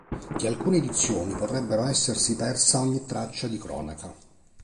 Di alcune edizioni potrebbero essersi persa ogni traccia di cronaca.